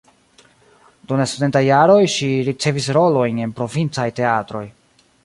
Dum la studentaj jaroj ŝi ricevis rolojn en provincaj teatroj.